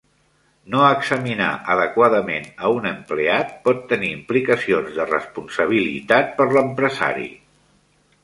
No examinar adequadament a un empleat pot tenir implicacions de responsabilitat per l'empresari.